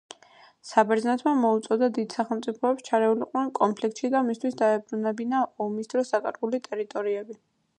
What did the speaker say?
საბერძნეთმა მოუწოდა დიდ სახელმწიფოებს ჩარეულიყვნენ კონფლიქტში და მისთვის დაებრუნებინა ომის დროს დაკარგული ტერიტორიები.